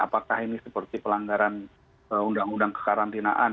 apakah ini seperti pelanggaran undang undang kekarantinaan